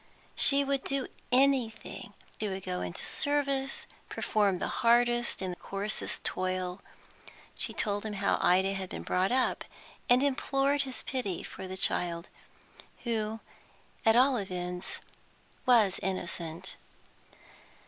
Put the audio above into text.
She would do anything, would go into service, perform the hardest and coarsest toil. She told him how Ida had been brought up, and implored his pity for the child, who at all events was innocent.